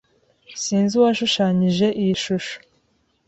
Sinzi uwashushanyije iyi shusho.